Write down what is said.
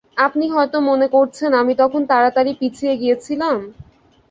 আপনি হয়তো মনে করছেন, আমি তখন তাড়াতাড়ি পিছিয়ে গিয়েছিলাম?